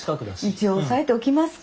一応押さえておきますか。